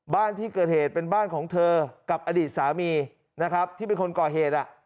บ้านที่เกิดเหตุเป็นบ้านของเธอกับอดีตสามีนะครับที่เป็นคนก่อเหตุ